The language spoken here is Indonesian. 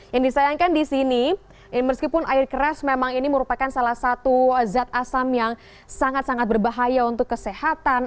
yang disayangkan di sini meskipun air keras memang ini merupakan salah satu zat asam yang sangat sangat berbahaya untuk kesehatan